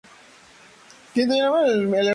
En algunos casos pueden utilizar el phishing.